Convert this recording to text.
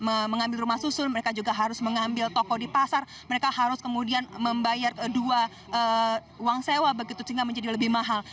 mereka mengambil rumah susun mereka juga harus mengambil toko di pasar mereka harus kemudian membayar dua uang sewa begitu sehingga menjadi lebih mahal